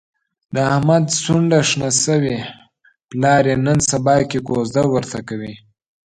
د احمد شونډه شنه شوې، پلار یې نن سباکې کوزده ورته کوي.